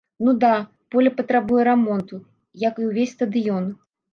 Ну да, поле патрабуе рамонту, як і ўвесь стадыён.